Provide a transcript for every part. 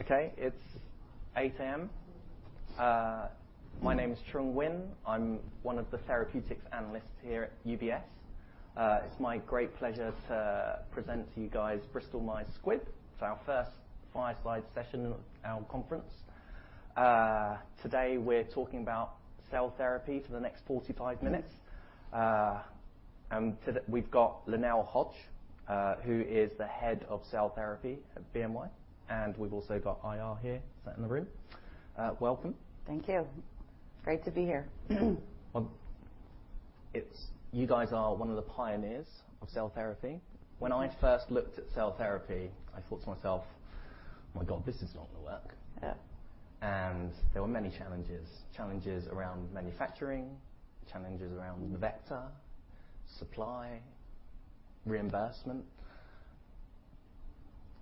Okay, it's 8:00 A.M. My name is Trung Huynh. I'm one of the therapeutics analysts here at UBS. It's my great pleasure to present to you guys Bristol-Myers Squibb. It's our first five slide session in our conference. Today we're talking about cell therapy for the next 45 minutes. And to the - we've got Lynelle Hoch, who is the head of cell therapy at BMY, and we've also got IR here, sat in the room. Welcome. Thank you. Great to be here. Well, it's you guys are one of the pioneers of cell therapy. When I first looked at cell therapy, I thought to myself, "My God, this is not going to work. Yeah. There were many challenges. Challenges around manufacturing, challenges around the vector, supply, reimbursement.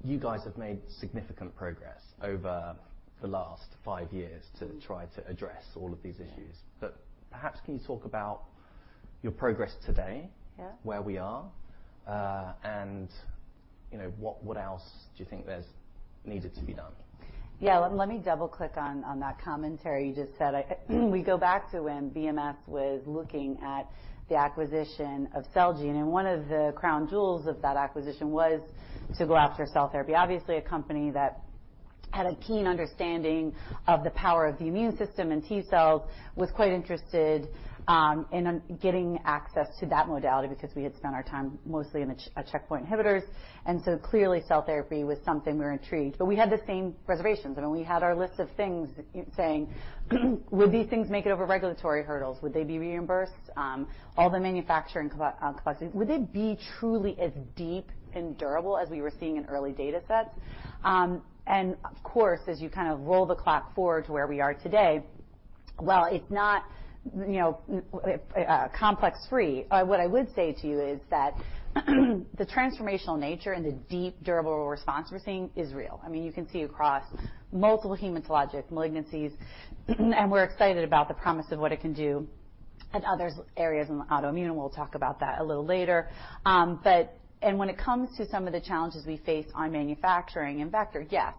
You guys have made significant progress over the last five years to try to address all of these issues. Yeah. But perhaps can you talk about your progress today? Yeah. Where we are, and, you know, what else do you think there's needed to be done? Yeah, let me double-click on that commentary you just said. We go back to when BMS was looking at the acquisition of Celgene, and one of the crown jewels of that acquisition was to go after cell therapy. Obviously, a company that had a keen understanding of the power of the immune system, and T cells was quite interested in getting access to that modality because we had spent our time mostly in the checkpoint inhibitors. And so clearly, cell therapy was something we were intrigued, but we had the same reservations, and we had our list of things saying, "Would these things make it over regulatory hurdles? Would they be reimbursed?" All the manufacturing complexities. Would they be truly as deep and durable as we were seeing in early data sets?" And of course, as you kind of roll the clock forward to where we are today, well, it's not, you know, complex free. What I would say to you is that, the transformational nature and the deep, durable response we're seeing is real. I mean, you can see across multiple hematologic malignancies, and we're excited about the promise of what it can do in others areas in the autoimmune, and we'll talk about that a little later. But - and when it comes to some of the challenges we face on manufacturing and vector, yes,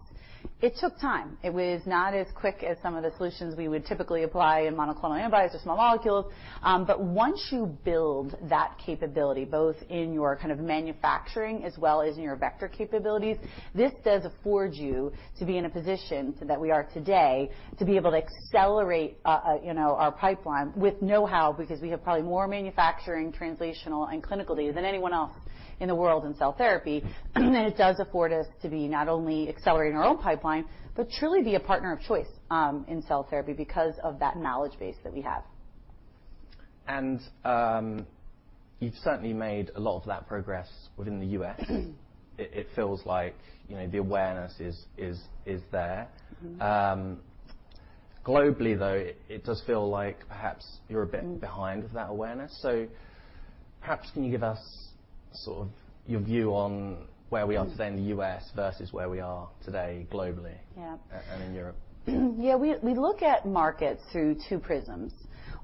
it took time. It was not as quick as some of the solutions we would typically apply in monoclonal antibodies or small molecules. But once you build that capability, both in your kind of manufacturing as well as in your vector capabilities, this does afford you to be in a position so that we are today, to be able to accelerate, you know, our pipeline with know-how, because we have probably more manufacturing, translational, and clinical data than anyone else in the world in cell therapy. And it does afford us to be not only accelerating our own pipeline, but truly be a partner of choice, in cell therapy because of that knowledge base that we have. You've certainly made a lot of that progress within the U.S. It feels like, you know, the awareness is there. Mm-hmm. Globally though, it does feel like perhaps you're a bit behind with that awareness. So perhaps can you give us sort of your view on where we are today in the U.S. versus where we are today globally and In Europe. Yeah, we, we look at markets through two prisms.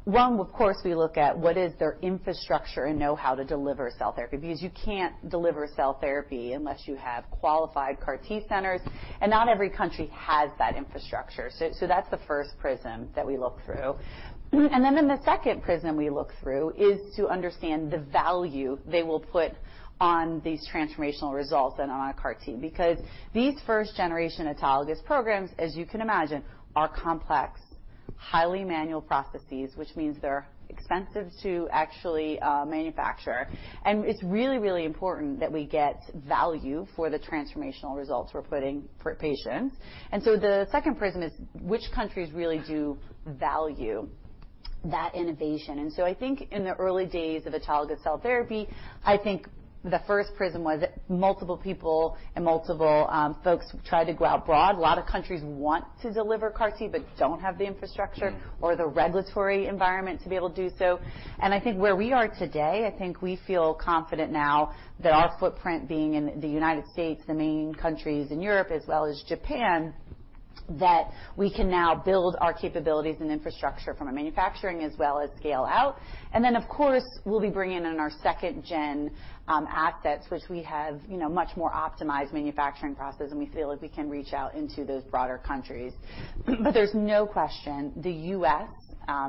One, of course, we look at what is their infrastructure and know-how to deliver cell therapy? Because you can't deliver cell therapy unless you have qualified CAR T centers, and not every country has that infrastructure. So, so that's the first prism that we look through. And then, the second prism we look through is to understand the value they will put on these transformational results and on a CAR T, because these first generation autologous programs, as you can imagine, are complex, highly manual processes, which means they're expensive to actually, manufacture. And it's really, really important that we get value for the transformational results we're putting for patients. And so the second prism is, which countries really do value that innovation? I think in the early days of autologous cell therapy, I think the first prism was that multiple people and multiple folks tried to go out broad. A lot of countries want to deliver CAR T, but don't have the infrastructure or the regulatory environment to be able to do so. And I think where we are today, I think we feel confident now that our footprint being in the United States, the main countries in Europe as well as Japan, that we can now build our capabilities and infrastructure from a manufacturing as well as scale out. And then, of course, we'll be bringing in our second-gen assets, which we have, you know, much more optimized manufacturing process, and we feel like we can reach out into those broader countries. But there's no question the U.S.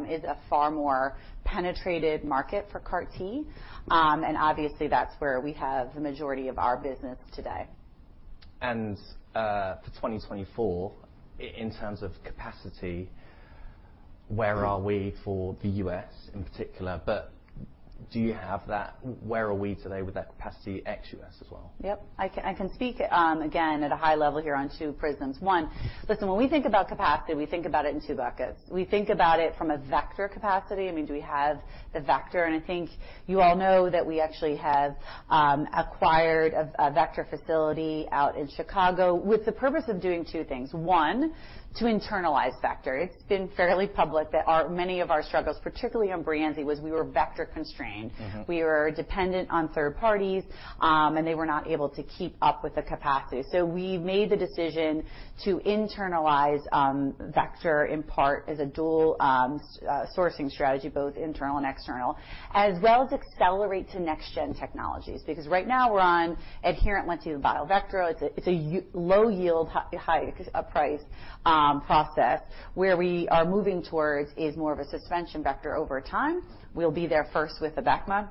is a far more penetrated market for CAR T. And obviously, that's where we have the majority of our business today. For 2024, in terms of capacity, where are we for the U.S. in particular, but do you have that - where are we today with that capacity ex U.S. as well? Yep. I can, I can speak, again, at a high level here on two prisms. One, listen, when we think about capacity, we think about it in two buckets. We think about it from a vector capacity. I mean, do we have the vector? And I think you all know that we actually have acquired a vector facility out in Chicago with the purpose of doing two things. One, to internalize vector. It's been fairly public that our many of our struggles, particularly on Breyanzi, was we were vector constrained. We were dependent on third parties, and they were not able to keep up with the capacity. So we made the decision to internalize vector in part as a dual sourcing strategy, both internal and external, as well as accelerate to next-gen technologies. Because right now we're on adherent lentiviral vector. It's a low yield, high price process. Where we are moving towards is more of a suspension vector over time. We'll be there first with the Abecma.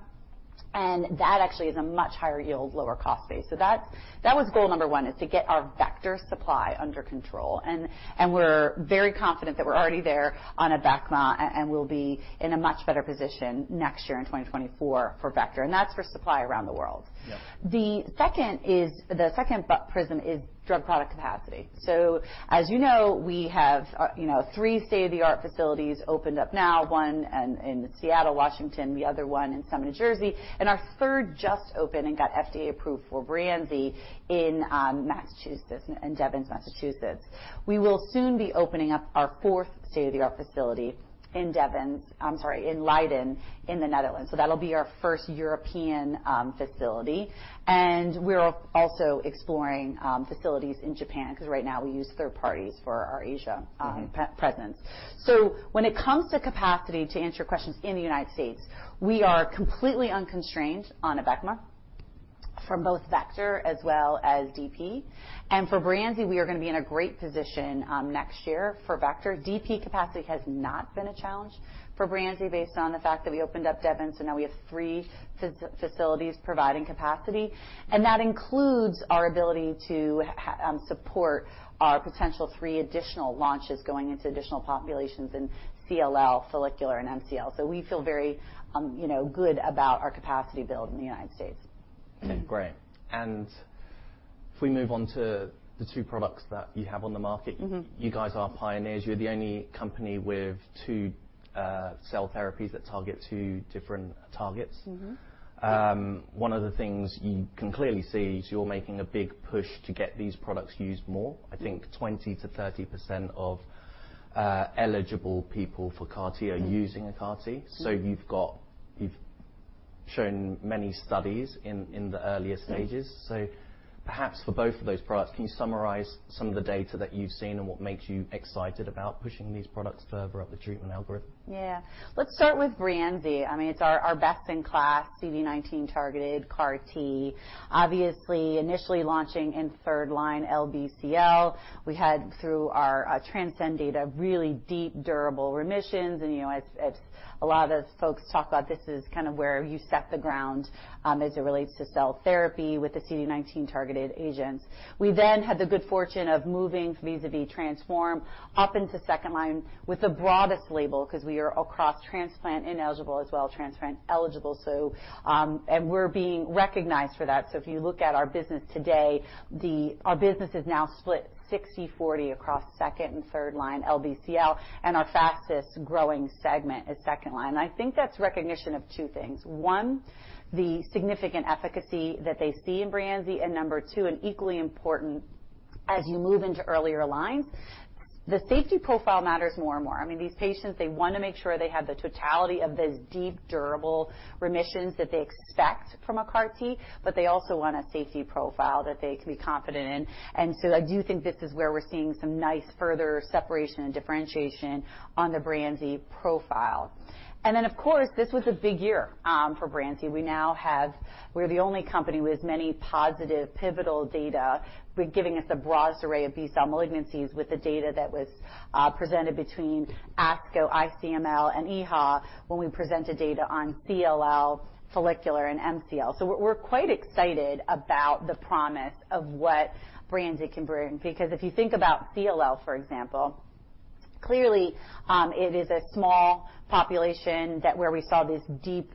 And that actually is a much higher yield, lower cost base. So that was goal number one, is to get our vector supply under control, and we're very confident that we're already there on Abecma, and we'll be in a much better position next year in 2024 for vector, and that's for supply around the world. Yeah. The second is, the second prism is drug product capacity. So as you know, we have, you know, three state-of-the-art facilities opened up now, one in Seattle, Washington, the other one in Summit, New Jersey, and our third just opened and got FDA approved for Breyanzi in Massachusetts, in Devens, Massachusetts. We will soon be opening up our fourth state-of-the-art facility in Devens. I'm sorry, in Leiden, in the Netherlands. So that'll be our first European facility. And we're also exploring facilities in Japan, 'cause right now we use third parties for our Asia presence. So when it comes to capacity, to answer your questions, in the United States, we are completely unconstrained on Abecma from both vector as well as DP. And for Breyanzi, we are going to be in a great position next year for vector. DP capacity has not been a challenge for Breyanzi based on the fact that we opened up Devens, and now we have three facilities providing capacity, and that includes our ability to support our potential three additional launches going into additional populations in CLL, follicular, and MCL. So we feel very you know good about our capacity build in the United States. Great. If we move on to the two products that you have on the market you guys are pioneers. You're the only company with two cell therapies that target two different targets. One of the things you can clearly see is you're making a big push to get these products used more. Mm-hmm. I think 20%-30% of eligible people for CAR T are using a CAR T. Mm-hmm. So you've shown many studies in the earlier stages. Mm-hmm. Perhaps for both of those products, can you summarize some of the data that you've seen and what makes you excited about pushing these products further up the treatment algorithm? Yeah. Let's start with Breyanzi. I mean, it's our, our best-in-class CD19-targeted CAR T. Obviously, initially launching in third-line LBCL, we had through our TRANSCEND data, really deep, durable remissions. And, you know, as, as a lot of folks talk about, this is kind of where you set the ground, as it relates to cell therapy with the CD19-targeted agents. We then had the good fortune of moving vis-à-vis TRANSFORM up into second line with the broadest label 'cause we are across transplant-ineligible as well as transplant-eligible. So, and we're being recognized for that. So if you look at our business today, Our business is now split 60/40 across second and third line LBCL, and our fastest-growing segment is second line. I think that's recognition of two things. One, the significant efficacy that they see in Breyanzi, and number two, and equally important, as you move into earlier lines, the safety profile matters more and more. I mean, these patients, they want to make sure they have the totality of those deep, durable remissions that they expect from a CAR T, but they also want a safety profile that they can be confident in. And so I do think this is where we're seeing some nice further separation and differentiation on the Breyanzi profile. And then, of course, this was a big year, for Breyanzi. We now have. We're the only company with many positive pivotal data, giving us the broadest array of B-cell malignancies with the data that was, presented between ASCO, ICML, and EHA, when we presented data on CLL, follicular, and MCL. So we're quite excited about the promise of what Breyanzi can bring. Because if you think about CLL, for example, clearly, it is a small population that where we saw these deep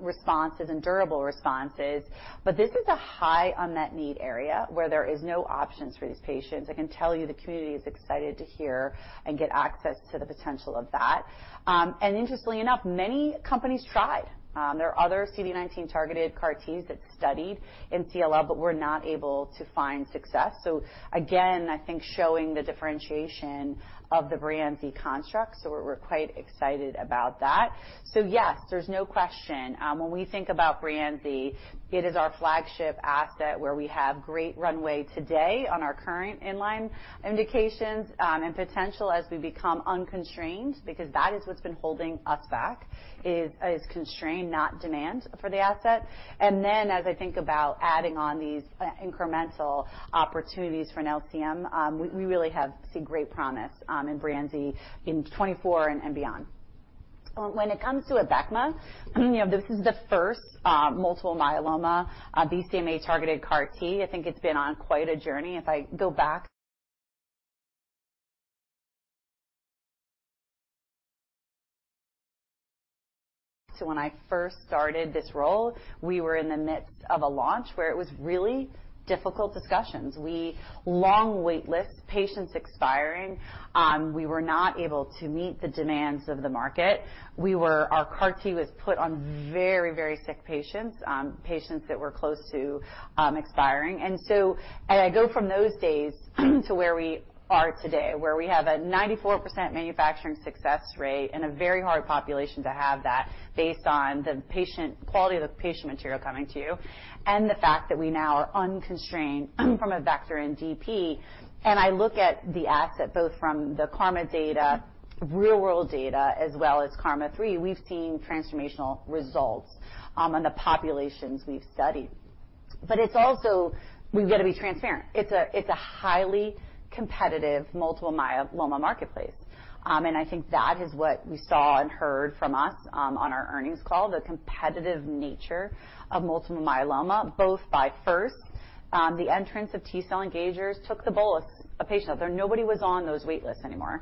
responses and durable responses, but this is a high unmet need area where there is no options for these patients. I can tell you the community is excited to hear and get access to the potential of that. And interestingly enough, many companies tried. There are other CD19-targeted CAR Ts that studied in CLL, but were not able to find success. So again, I think showing the differentiation of the Breyanzi construct, so we're quite excited about that. So yes, there's no question, when we think about Breyanzi, it is our flagship asset, where we have great runway today on our current in-line indications, and potential as we become unconstrained, because that is what's been holding us back, is constraint, not demand for the asset. And then as I think about adding on these, incremental opportunities for an LCM, we really have seen great promise, in Breyanzi in 2024 and beyond. When it comes to Abecma, you know, this is the first multiple myeloma BCMA-targeted CAR T. I think it's been on quite a journey. If I go back to when I first started this role, we were in the midst of a launch where it was really difficult discussions. Long wait lists, patients expiring, we were not able to meet the demands of the market. Our CAR T was put on very, very sick patients, patients that were close to expiring. And so as I go from those days to where we are today, where we have a 94% manufacturing success rate and a very hard population to have that based on the patient quality of the patient material coming to you, and the fact that we now are unconstrained from a vector in DP. And I look at the asset, both from the KarMMa data, real-world data, as well as KarMMa-3, we've seen transformational results on the populations we've studied. But it's also, we've got to be transparent. It's a, it's a highly competitive multiple myeloma marketplace. And I think that is what you saw and heard from us on our earnings call, the competitive nature of multiple myeloma, both first by the entrance of T-cell engagers took the bolus of patients out there. Nobody was on those wait lists anymore.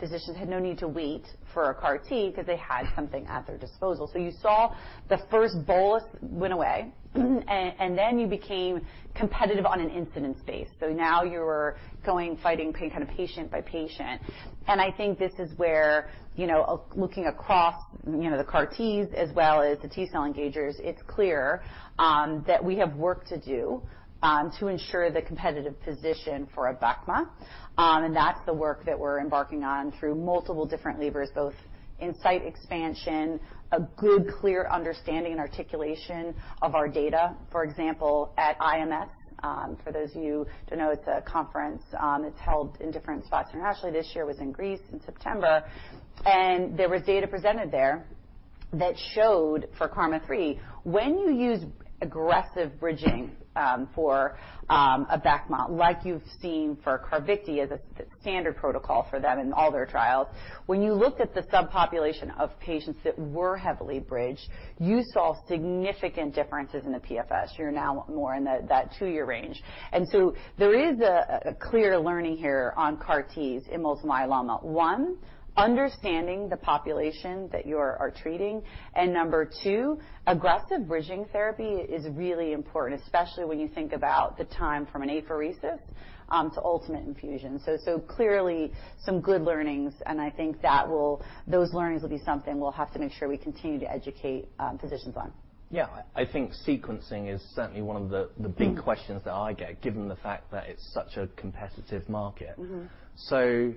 Physicians had no need to wait for a CAR T because they had something at their disposal. So you saw the first bolus went away, and then you became competitive on an incumbent space. So now you're going, fighting kind of patient by patient. And I think this is where, you know, looking across, you know, the CAR Ts as well as the T-cell engagers, it's clear that we have work to do to ensure the competitive position for Abecma. And that's the work that we're embarking on through multiple different levers, both insight expansion, a good clear understanding and articulation of our data. For example, at IMS, for those of you who don't know, it's a conference, it's held in different spots internationally. This year was in Greece in September, and there was data presented there that showed for KarMMa-3, when you use aggressive bridging, for Abecma, like you've seen for CARVYKTI as a standard protocol for them in all their trials. When you looked at the subpopulation of patients that were heavily bridged, you saw significant differences in the PFS. You're now more in the, that two-year range. And so there is a clear learning here on CAR Ts in multiple myeloma. One, understanding the population that you are treating, and two, aggressive bridging therapy is really important, especially when you think about the time from an apheresis to ultimate infusion. Clearly some good learnings, and I think that will - those learnings will be something we'll have to make sure we continue to educate physicians on. Yeah. I think sequencing is certainly one of the big questions that I get, given the fact that it's such a competitive market. Mm-hmm. So,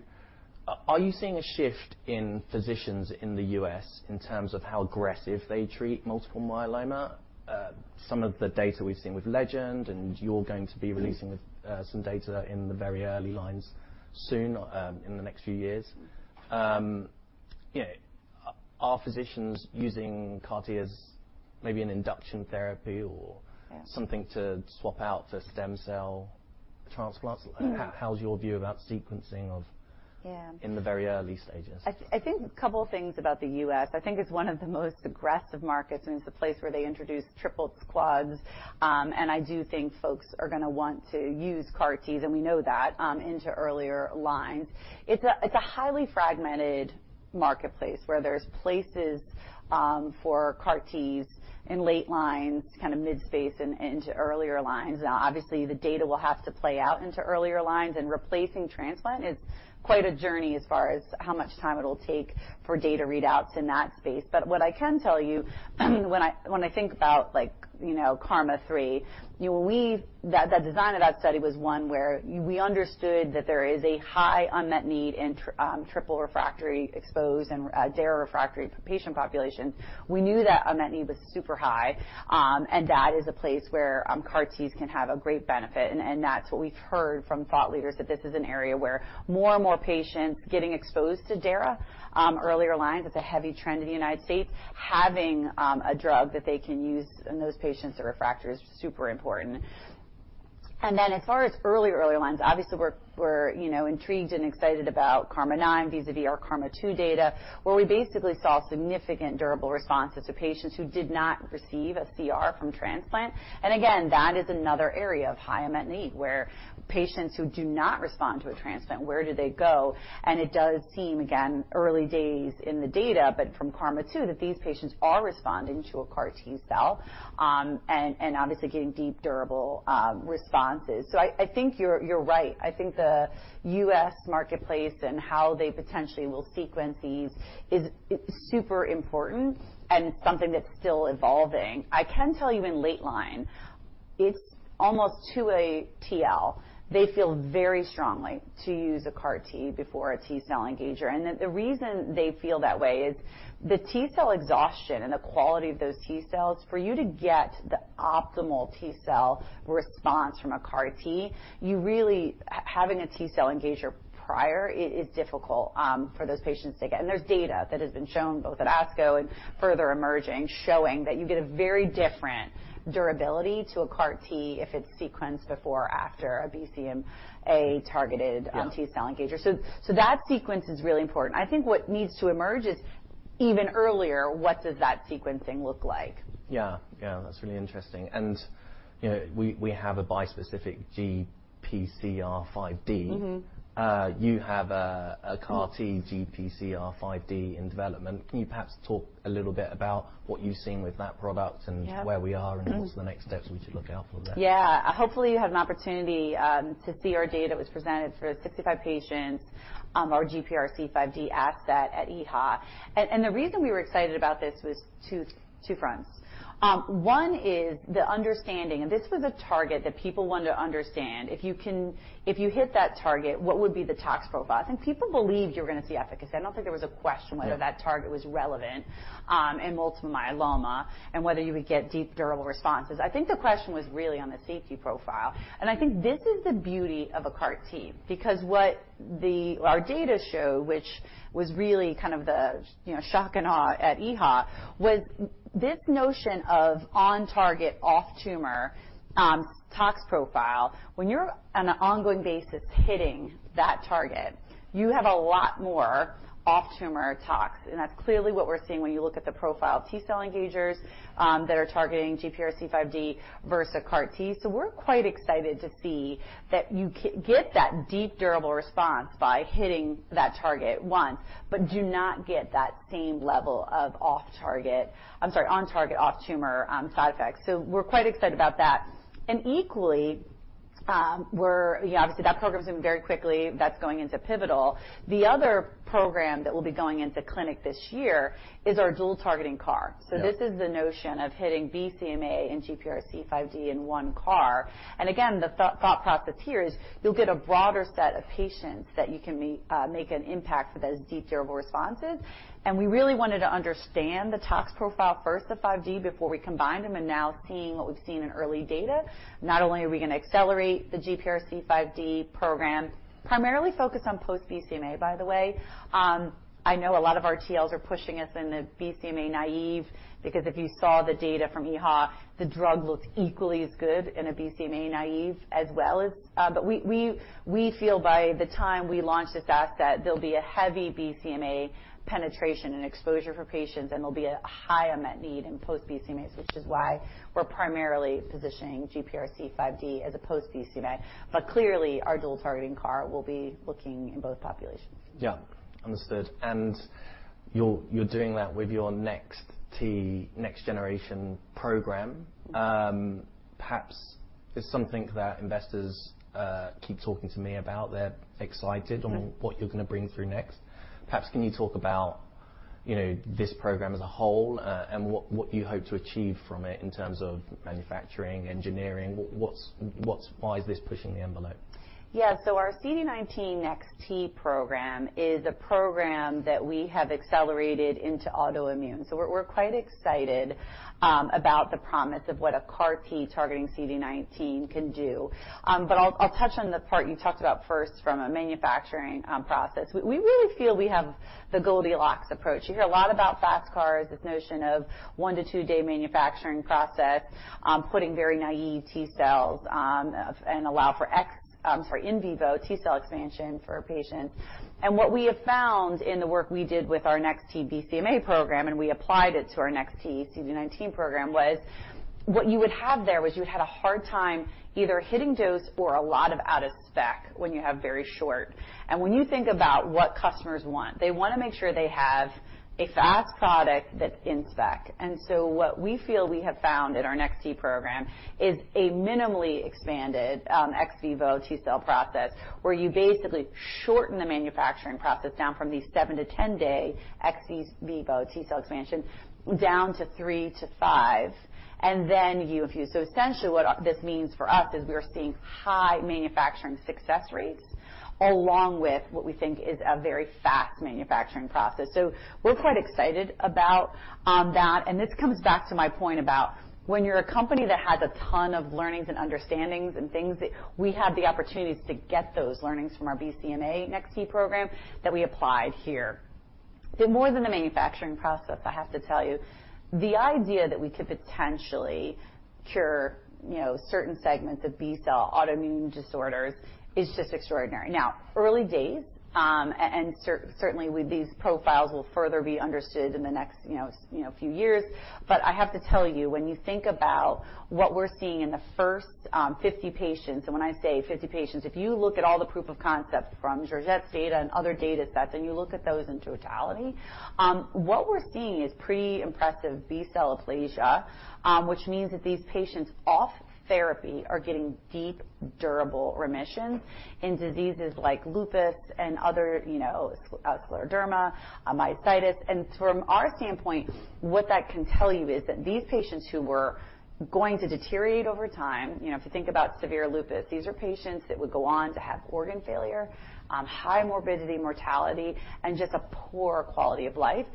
are you seeing a shift in physicians in the U.S. in terms of how aggressive they treat multiple myeloma? Some of the data we've seen with Legend, and you're going to be releasing some data in the very early lines soon, in the next few years. You know, are physicians using CAR T as maybe an induction therapy or something to swap out for stem cell transplants? Mm-hmm. How's your view about sequencing of in the very early stages? I think a couple of things about the U.S. I think it's one of the most aggressive markets, and it's a place where they introduce triplets, quads, and I do think folks are gonna want to use CAR Ts, and we know that, into earlier lines. It's a highly fragmented marketplace, where there's places, for CAR Ts in late lines, kind of mid-phase and into earlier lines. Now obviously, the data will have to play out into earlier lines, and replacing transplant is quite a journey as far as how much time it will take for data readouts in that space. But what I can tell you, when I think about like, you know, KarMMa-3, that design of that study was one where we understood that there is a high unmet need in triple refractory exposed and dara-refractory patient population. We knew that unmet need was super high, and that is a place where CAR Ts can have a great benefit, and that's what we've heard from thought leaders, that this is an area where more and more patients getting exposed to dara earlier lines, that the heavy trend in the United States, having a drug that they can use in those patients, the refractory is super important. And then as far as early lines, obviously, we're you know, intrigued and excited about KarMMa-9, vis-à-vis our KarMMa-2 data, where we basically saw significant durable responses to patients who did not receive a CR from transplant. And again, that is another area of high unmet need, where patients who do not respond to a transplant, where do they go? And it does seem, again, early days in the data, but from KarMMa-2, that these patients are responding to a CAR T cell, and obviously getting deep, durable responses. So I think you're right. I think the U.S. marketplace and how they potentially will sequence these is, it's super important and something that's still evolving. I can tell you in late line, it's almost to a TL. They feel very strongly to use a CAR T before a T-cell engager, and that the reason they feel that way is the T-cell exhaustion and the quality of those T-cells. For you to get the optimal T-cell response from a CAR T, you really - having a T-cell engager prior is difficult for those patients to get. There's data that has been shown both at ASCO and further emerging, showing that you get a very different durability to a CAR T if it's sequenced before or after a BCMA-targeted T-cell engager. So, that sequence is really important. I think what needs to emerge is even earlier, what does that sequencing look like? Yeah, yeah, that's really interesting. You know, we have a bispecific GPRC5D. Mm-hmm. You have a CAR T GPRC5D in development. Can you perhaps talk a little bit about what you've seen with that product and where we are, and what's the next steps we should look out for that? Yeah. Hopefully, you have an opportunity to see our data that was presented for 65 patients, our GPRC5D asset at EHA. And, and the reason we were excited about this was two, two fronts. One is the understanding, and this was a target that people wanted to understand. If you can - if you hit that target, what would be the tox profile? And people believed you were going to see efficacy. I don't think there was a question whether that target was relevant, in multiple myeloma, and whether you would get deep, durable responses. I think the question was really on the safety profile, and I think this is the beauty of a CAR T. Because what our data show, which was really kind of the, you know, shock and awe at EHA, was this notion of on-target, off-tumor tox profile. When you're on an ongoing basis hitting that target you have a lot more off-tumor tox, and that's clearly what we're seeing when you look at the profile of T-cell engagers that are targeting GPRC5D versus CAR T. So we're quite excited to see that you get that deep, durable response by hitting that target once, but do not get that same level of off-target. I'm sorry, on-target, off-tumor side effects. So we're quite excited about that. And equally, we're - yeah, obviously that program is moving very quickly. That's going into pivotal. The other program that will be going into clinic this year is our dual-targeting CAR. Yeah. So this is the notion of hitting BCMA and GPRC5D in one CAR. And again, the thought process here is you'll get a broader set of patients that you can make an impact with those deep, durable responses. And we really wanted to understand the tox profile first, the 5D, before we combined them, and now seeing what we've seen in early data, not only are we gonna accelerate the GPRC5D program, primarily focused on post-BCMA, by the way. I know a lot of our TLs are pushing us in the BCMA-naïve, because if you saw the data from EHA, the drug looks equally as good in a BCMA-naïve as well as - but we feel by the time we launch this asset, there'll be a heavy BCMA penetration and exposure for patients, and there'll be a high unmet need in post-BCMAs, which is why we're primarily positioning GPRC5D as a post-BCMA. But clearly, our dual-targeting CAR will be looking in both populations. Yeah, understood. And you're doing that with your NEX-T, next-generation program. Perhaps it's something that investors keep talking to me about. They're excited- Mm-hmm. On what you're gonna bring through next. Perhaps can you talk about, you know, this program as a whole, and what you hope to achieve from it in terms of manufacturing, engineering? What... Why is this pushing the envelope? Yeah, so our CD19 NEX-T program is a program that we have accelerated into autoimmune. So we're quite excited about the promise of what a CAR T targeting CD19 can do. But I'll touch on the part you talked about first from a manufacturing process. We really feel we have the Goldilocks approach. You hear a lot about fast CARs, this notion of a 1-2-day manufacturing process, putting very naïve T cells and allow for in vivo T cell expansion for a patient. And what we have found in the work we did with our NEX-T BCMA program, and we applied it to our NEX-T CD19 program, was what you would have there was you'd had a hard time either hitting dose or a lot of out of spec when you have very short. When you think about what customers want, they wanna make sure they have a fast product that's in spec. So what we feel we have found in our NEX-T program is a minimally expanded, ex vivo T cell process, where you basically shorten the manufacturing process down from these 7-10 day ex vivo T cell expansion down to three to give and then you infuse. So essentially, what this means for us is we're seeing high manufacturing success rates, along with what we think is a very fast manufacturing process. So we're quite excited about that, and this comes back to my point about when you're a company that has a ton of learnings and understandings and things, that we had the opportunities to get those learnings from our BCMA NEX-T program that we applied here. But more than the manufacturing process, I have to tell you, the idea that we could potentially cure, you know, certain segments of B-cell autoimmune disorders is just extraordinary. Now, early days, and certainly with these profiles will further be understood in the next, you know, you know, few years. But I have to tell you, when you think about what we're seeing in the first 50 patients, and when I say 50 patients, if you look at all the proof of concept from Georg's data and other data sets, and you look at those in totality, what we're seeing is pretty impressive B-cell aplasia, which means that these patients off therapy are getting deep, durable remissions in diseases like lupus and other, you know, scleroderma, myositis. From our standpoint, what that can tell you is that these patients who were going to deteriorate over time, you know, if you think about severe lupus, these are patients that would go on to have organ failure, high morbidity, mortality, and just a poor quality of life.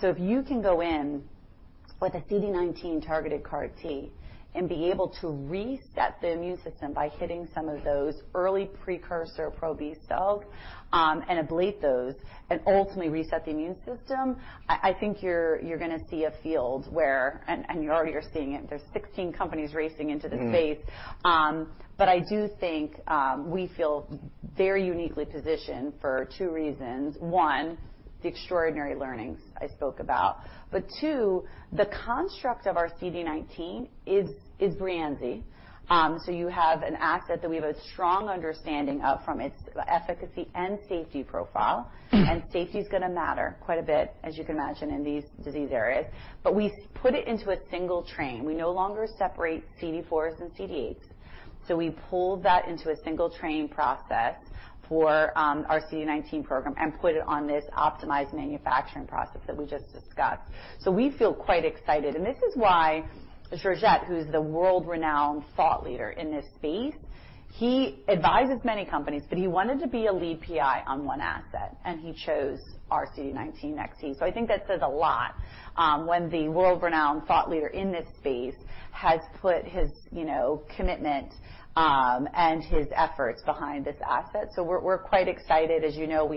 So if you can go in with a CD19-targeted CAR T and be able to reset the immune system by hitting some of those early precursor pro-B cells, and ablate those, and ultimately reset the immune system, I, I think you're, you're gonna see a field where - and you already are seeing it. There's 16 companies racing into this space. But I do think we feel very uniquely positioned for two reasons. One, the extraordinary learnings I spoke about. But two, the construct of our CD19 is Breyanzi. So you have an asset that we have a strong understanding of from its efficacy and safety profile. Mm-hmm. And safety is gonna matter quite a bit, as you can imagine, in these disease areas. But we put it into a single train. We no longer separate CD4s and CD8s, so we pulled that into a single train process for our CD19 program and put it on this optimized manufacturing process that we just discussed. So we feel quite excited, and this is why Georg Schett, who's the world-renowned thought leader in this space, he advises many companies, but he wanted to be a lead PI on one asset, and he chose our CD19 NEX-T. So I think that says a lot, when the world-renowned thought leader in this space has put his, you know, commitment, and his efforts behind this asset. So we're, we're quite excited. As you know,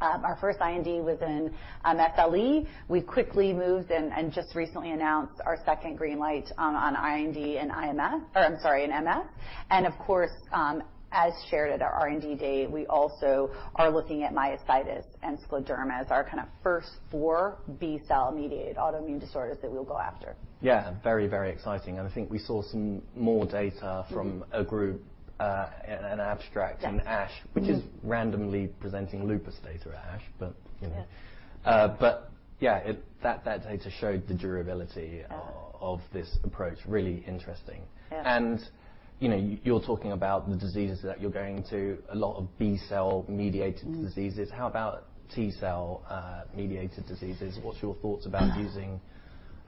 our first IND was in SLE. We quickly moved and just recently announced our second green light on IND and IMS, or I'm sorry, in MS. And of course, as shared at our R&D date, we also are looking at myositis and scleroderma as our kind of first four B-cell-mediated autoimmune disorders that we'll go after. Yeah, very, very exciting, and I think we saw some more data from a group, at an abstract in ASH, which is randomly presenting lupus data at ASH, but, you know. Yes. But yeah, it - that, that data showed the durability of this approach. Really interesting. Yeah. You know, you're talking about the diseases that you're going into, a lot of B-cell-mediated diseases. How about T-cell mediated diseases? What's your thoughts about using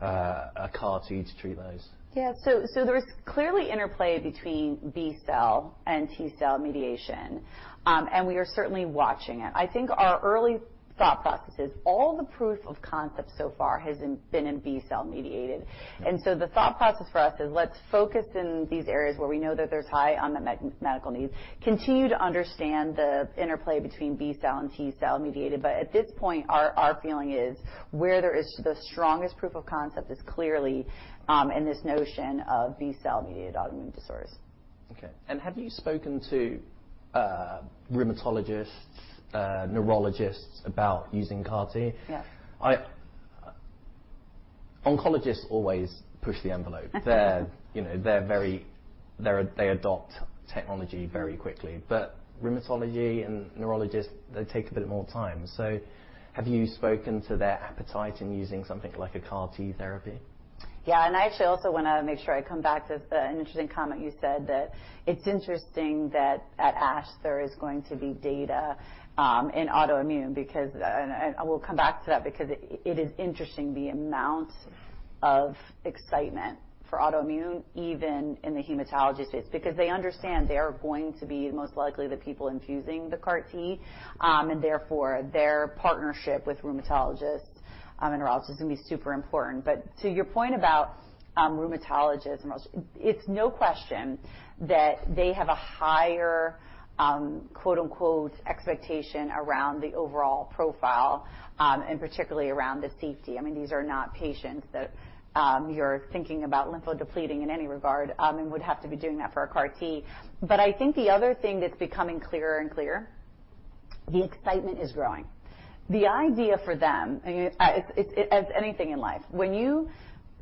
a CAR T to treat those? Yeah. So there is clearly interplay between B-cell and T-cell mediation, and we are certainly watching it. I think our early thought process is all the proof of concept so far has been in B-cell mediated. And so the thought process for us is, let's focus in these areas where we know that there's high unmet medical needs, continue to understand the interplay between B-cell and T-cell mediated, but at this point, our feeling is where there is the strongest proof of concept is clearly in this notion of B-cell-mediated autoimmune disorders. Okay. And have you spoken to rheumatologists, neurologists about using CAR T? Yeah. Oncologists always push the envelope. They're, you know, they adopt technology very quickly. Rheumatology and neurologists, they take a bit more time. Have you spoken to their appetite in using something like a CAR T therapy? Yeah, and I actually also wanna make sure I come back to an interesting comment you said that it's interesting that at ASH there is going to be data in autoimmune because I will come back to that because it is interesting the amount of excitement for autoimmune, even in the hematology space. Because they understand they are going to be most likely the people infusing the CAR T, and therefore their partnership with rheumatologists and neurologists is gonna be super important. But to your point about rheumatologists and most, it's no question that they have a higher quote-unquote "expectation" around the overall profile and particularly around the safety. I mean, these are not patients that you're thinking about lymphodepleting in any regard, and would have to be doing that for a CAR T. But I think the other thing that's becoming clearer and clearer, the excitement is growing. The idea for them, it's - as anything in life, when you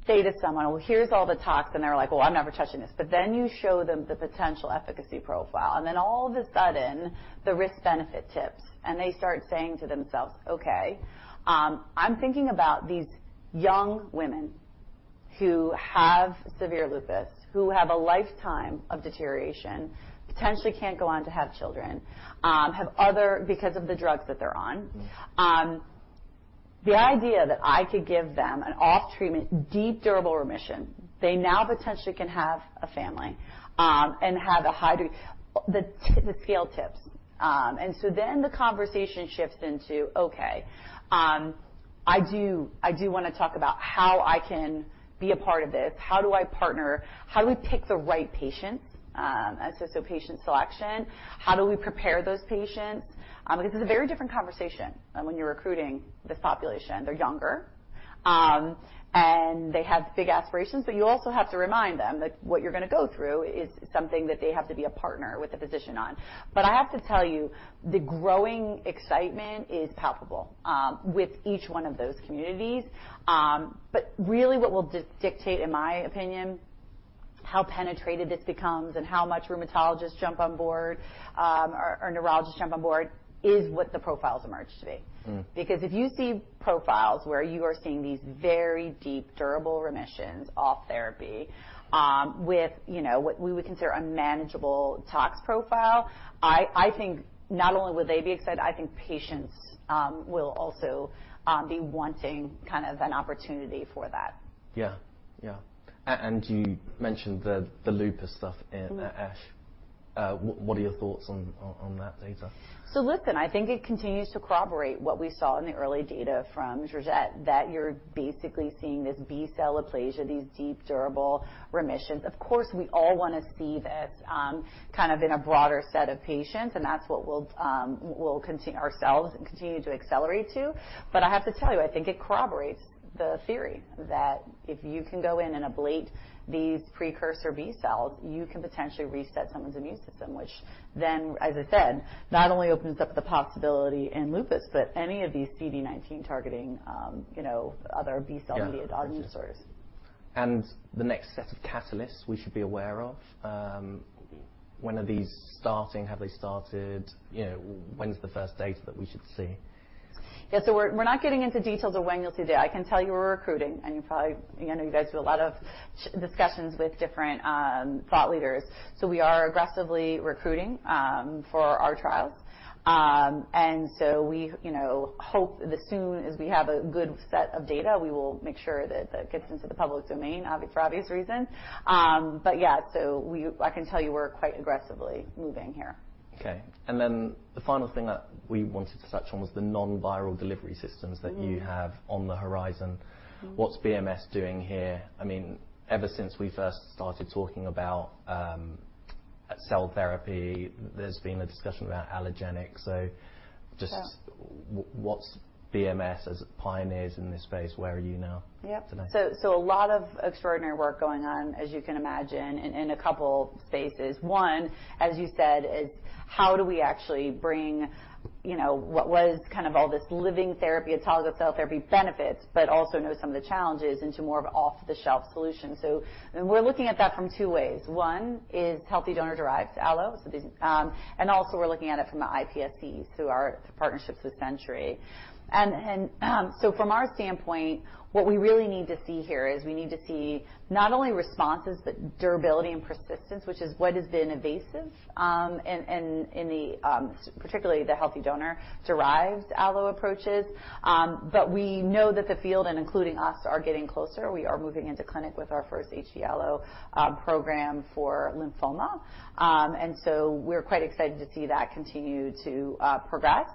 say to someone, "Well, here's all the tox," and they're like: "Well, I'm never touching this." But then you show them the potential efficacy profile, and then all of a sudden, the risk-benefit tips and they start saying to themselves: "Okay, I'm thinking about these young women who have severe lupus, who have a lifetime of deterioration, potentially can't go on to have children, have other - because of the drugs that they're on. The idea that I could give them an off-treatment, deep, durable remission, they now potentially can have a family, and have a high degree - the field tips. And so then the conversation shifts into: "Okay, I do - I do wanna talk about how I can be a part of this. How do I partner? How do we pick the right patients?" And so, so patient selection. "How do we prepare those patients?" This is a very different conversation than when you're recruiting this population. They're younger, and they have big aspirations, but you also have to remind them that what you're gonna go through is something that they have to be a partner with the physician on. But I have to tell you, the growing excitement is palpable, with each one of those communities. But really what will dictate, in my opinion, how penetrated this becomes and how much rheumatologists jump on board, or neurologists jump on board, is what the profiles emerge to be. Because if you see profiles where you are seeing these very deep, durable remissions off therapy, with, you know, what we would consider a manageable tox profile, I think not only would they be excited, I think patients will also be wanting kind of an opportunity for that. Yeah, yeah. And you mentioned the lupus stuff in ASH. What are your thoughts on that data? So listen, I think it continues to corroborate what we saw in the early data from Georg Schett, that you're basically seeing this B-cell aplasia, these deep, durable remissions. Of course, we all wanna see this kind of in a broader set of patients, and that's what we'll, we'll continue ourselves and continue to accelerate to. But I have to tell you, I think it corroborates the theory that if you can go in and ablate these precursor B cells, you can potentially reset someone's immune system, which then, as I said, not only opens up the possibility in lupus, but any of these CD19 targeting, you know, other B-cell-mediated autoimmune disorders. The next set of catalysts we should be aware of, when are these starting? Have they started? You know, when's the first data that we should see? Yeah, so we're - we're not getting into details of when you'll see data. I can tell you we're recruiting, and you probably - I know you guys do a lot of discussions with different thought leaders. So we are aggressively recruiting for our trial. And so we, you know, hope that soon as we have a good set of data, we will make sure that that gets into the public domain, for obvious reasons. But yeah, so we - I can tell you we're quite aggressively moving here. Okay. And then the final thing that we wanted to touch on was the non-viral delivery systems that you have on the horizon. What's BMS doing here? I mean, ever since we first started talking about cell therapy, there's been a discussion about allogeneic. So just- Yeah. What's BMS as pioneers in this space, where are you now? Yep. So, a lot of extraordinary work going on, as you can imagine, in a couple phases. One, as you said, is how do we actually bring, you know, what was kind of all this living therapy, autologous cell therapy benefits, but also know some of the challenges into more of an off-the-shelf solution? So, we're looking at that from two ways. One is healthy donor-derived allo, so these. And also, we're looking at it from the iPSCs, through our partnerships with Century. So from our standpoint, what we really need to see here is we need to see not only responses, but durability and persistence, which is what has been evasive in the particularly the healthy donor-derived allo approaches. But we know that the field, and including us, are getting closer. We are moving into clinic with our first HD allo program for lymphoma. And so we're quite excited to see that continue to progress.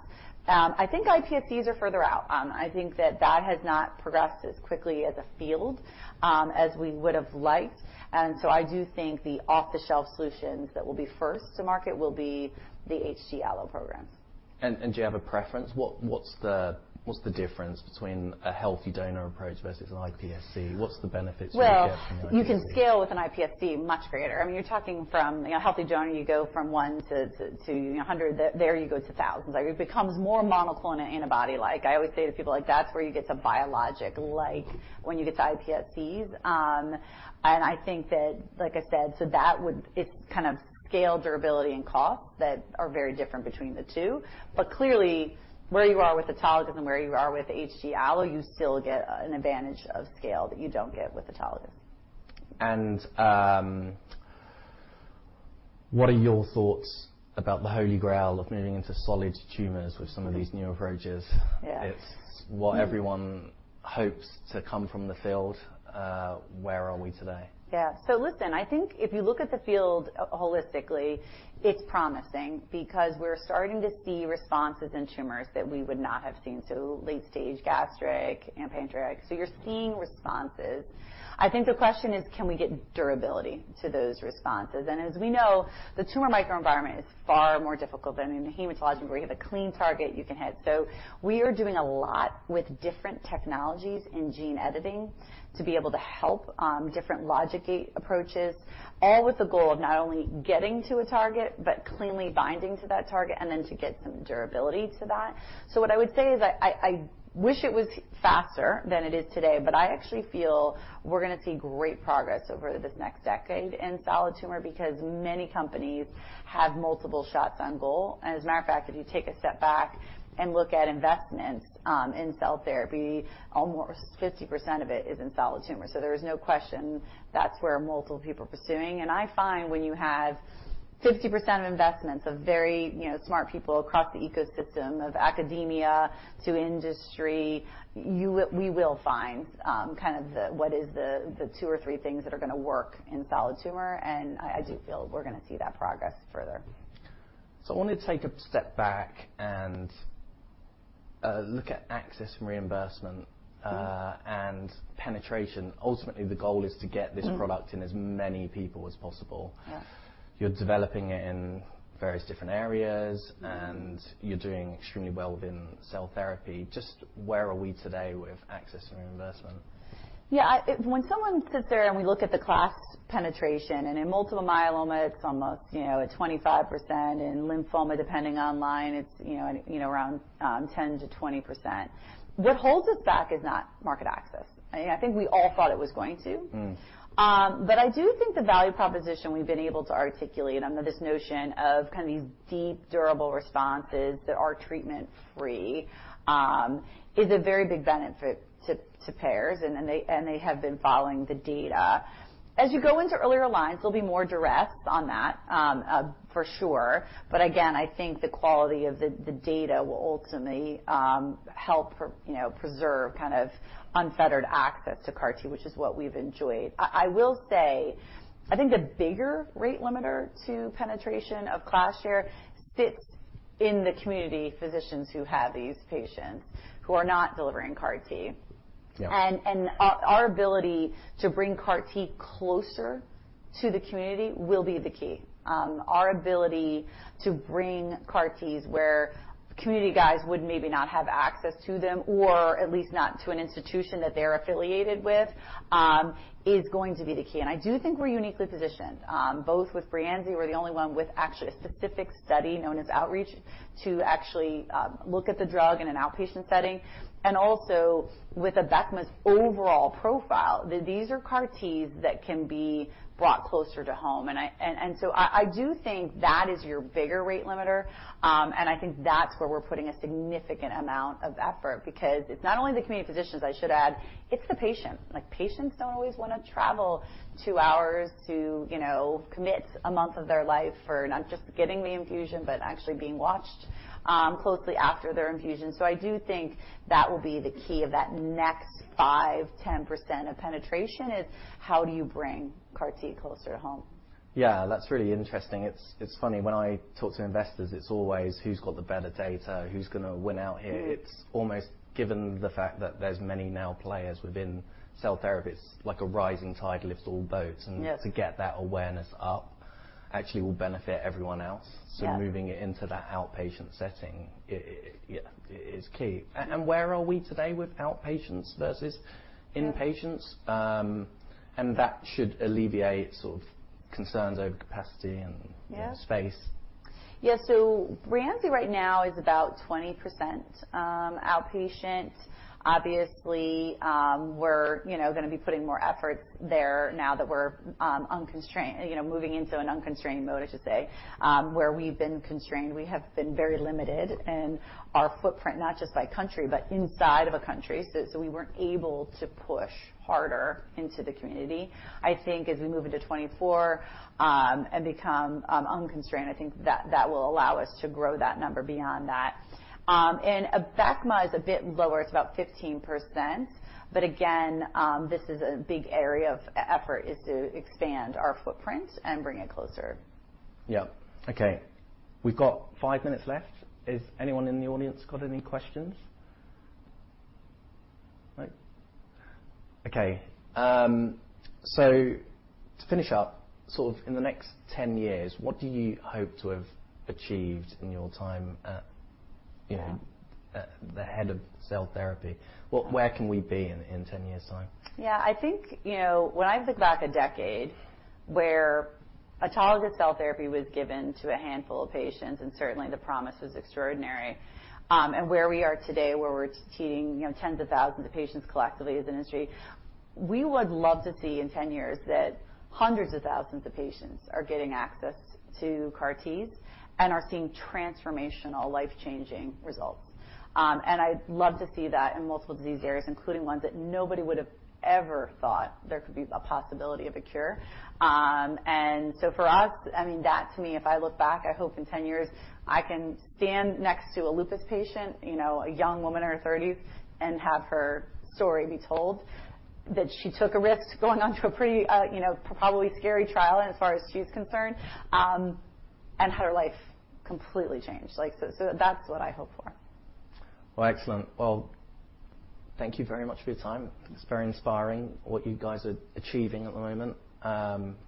I think iPSCs are further out. I think that that has not progressed as quickly as a field as we would've liked, and so I do think the off-the-shelf solutions that will be first to market will be the HD allo programs. Do you have a preference? What's the difference between a healthy donor approach versus an iPSC? What's the benefits you get from an iPSC? Well, you can scale with an iPSC much greater. I mean you're talking from, you know, a healthy donor, you go from one to, you know, 100. There, you go to thousands. Like, it becomes more monoclonal antibody-like. I always say to people, like, "That's where you get to biologic, like, when you get to iPSCs." And I think that, like I said, so that would - it's kind of scale, durability, and cost that are very different between the two, but clearly, where you are with autologous and where you are with HD allo, you still get an advantage of scale that you don't get with autologous. What are your thoughts about the Holy Grail of moving into solid tumors with some of these new approaches? Yeah. It's what everyone hopes to come from the field. Where are we today? Yeah. So listen, I think if you look at the field holistically, it's promising because we're starting to see responses in tumors that we would not have seen so late stage gastric and pancreatic, so you're seeing responses. I think the question is: Can we get durability to those responses? And as we know, the tumor microenvironment is far more difficult than in the hematologic, where you have a clean target, you can hit. So we are doing a lot with different technologies in gene editing to be able to help different logic gate approaches, all with the goal of not only getting to a target, but cleanly binding to that target, and then to get some durability to that. So what I would say is I wish it was faster than it is today, but I actually feel we're gonna see great progress over this next decade in solid tumor, because many companies have multiple shots on goal. And as a matter of fact, if you take a step back and look at investments in cell therapy, almost 50% of it is in solid tumor, so there is no question that's where multiple people are pursuing. And I find when you have 50% of investments of very, you know, smart people across the ecosystem, of academia to industry, we will find kind of the what is the two or three things that are gonna work in solid tumor, and I do feel we're gonna see that progress further. I want to take a step back and look at access and reimbursement and penetration. Ultimately, the goal is to get this product in as many people as possible. Yeah. You're developing it in various different areas and you're doing extremely well within cell therapy. Just where are we today with access and reimbursement? Yeah, when someone sits there, and we look at the class penetration, and in multiple myeloma, it's almost you know, at 25%. In lymphoma, depending on line, it's, you know, you know, around ten to 20%. What holds us back is not market access. I think we all thought it was going to. But I do think the value proposition we've been able to articulate under this notion of kind of these deep, durable responses that are treatment-free, is a very big benefit to payers, and they have been following the data. As you go into earlier lines, there'll be more duress on that, for sure. But again, I think the quality of the data will ultimately help preserve kind of unfettered access to CAR T, which is what we've enjoyed. I will say, I think the bigger rate limiter to penetration of class share sits in the community physicians who have these patients, who are not delivering CAR T. Yeah. Our ability to bring CAR T closer to the community will be the key. Our ability to bring CAR Ts, where community guys would maybe not have access to them, or at least not to an institution that they're affiliated with, is going to be the key. And I do think we're uniquely positioned, both with Breyanzi, we're the only one with actually a specific study, known as OUTREACH, to actually look at the drug in an outpatient setting, and also with Abecma's overall profile. These are CAR Ts that can be brought closer to home, and so I do think that is your bigger rate limiter, and I think that's where we're putting a significant amount of effort because it's not only the community physicians, I should add, it's the patient. Like, patients don't always wanna travel two hours to, you know, commit a month of their life for not just getting the infusion, but actually being watched closely after their infusion. So I do think that will be the key of that next 5-10% of penetration, is how do you bring CAR T closer to home? Yeah, that's really interesting. It's, it's funny, when I talk to investors, it's always who's got the better data, who's gonna win out here. Given the fact that there's many new players within cell therapies, like a rising tide lifts all boats and to get that awareness up actually will benefit everyone else. Yeah. So moving it into that outpatient setting, it, yeah, is key. And where are we today with outpatients versus inpatients? And that should alleviate concerns over capacity and space? Yeah, so Breyanzi right now is about 20%, outpatient. Obviously, we're, you know, gonna be putting more effort there now that we're unconstrained, you know, moving into an unconstrained mode, I should say. Where we've been constrained, we have been very limited in our footprint, not just by country, but inside of a country. So we weren't able to push harder into the community. I think as we move into 2024 and become unconstrained, I think that will allow us to grow that number beyond that. And Abecma is a bit lower, it's about 15%, but again, this is a big area of effort, is to expand our footprint and bring it closer. Yeah. Okay. We've got 5 minutes left. Is anyone in the audience got any questions? Right. Okay, so to finish up, sort of in the next 10 years, what do you hope to have achieved in your time at, you know at the head of cell therapy? Where can we be in 10 years' time? Yeah, I think, you know, when I think back a decade, where autologous cell therapy was given to a handful of patients, and certainly the promise was extraordinary. And where we are today, where we're treating, you know, tens of thousands of patients collectively as an industry. We would love to see in 10 years that hundreds of thousands of patients are getting access to CAR Ts and are seeing transformational, life-changing results. And I'd love to see that in multiple disease areas, including ones that nobody would have ever thought there could be a possibility of a cure. And so for us, I mean, that to me, if I look back, I hope in 10 years, I can stand next to a lupus patient, you know, a young woman in her 30s, and have her story be told. That she took a risk going onto a pretty, you know, probably scary trial as far as she's concerned, and had her life completely changed. Like, so, so that's what I hope for. Well, excellent. Well, thank you very much for your time. It's very inspiring what you guys are achieving at the moment.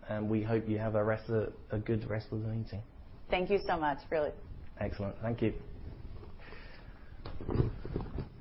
And we hope you have a rest of the - a good rest of the meeting. Thank you so much, really. Excellent. Thank you.